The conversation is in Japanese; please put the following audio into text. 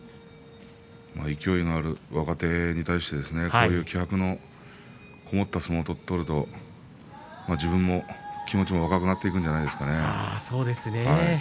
勢いのある若手に対して気迫のこもった相撲を取れる自分も気持ちが若くなっていくんじゃないですか。